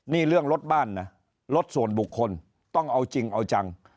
นี่เรื่องรถบ้านนะรถส่วนบุคคลต้องเอาจริงเอาจัง